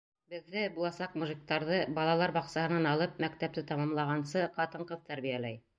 Беҙҙе, буласаҡ мужиктарҙы, балалар баҡсаһынан алып мәктәпте тамамлағансы ҡатын-ҡыҙ тәрбиәләй.